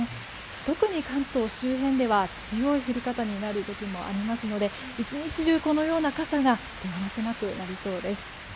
特に関東周辺では、強い降り方になる時もありますので一日中このような傘が手放せなくなりそうです。